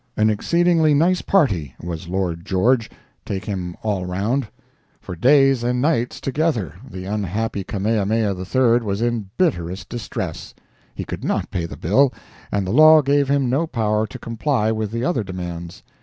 An exceedingly nice party was Lord George, take him all around. For days and nights together the unhappy Kamehameha III was in bitterest distress. He could not pay the bill, and the law gave him no power to comply with the other demands.